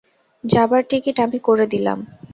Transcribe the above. যাবার টিকিট আমি করে দিলাম।